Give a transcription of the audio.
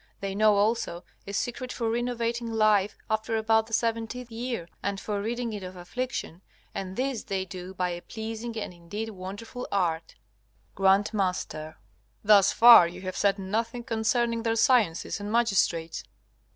They know also a secret for renovating life after about the seventieth year, and for ridding it of affliction, and this they do by a pleasing and indeed wonderful art. G.M. Thus far you have said nothing concerning their sciences and magistrates.